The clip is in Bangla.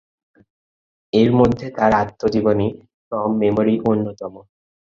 এরমধ্যে তার আত্মজীবনী "ফ্রম মেমরি" অন্যতম।